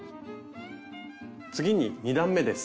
次に２段めです。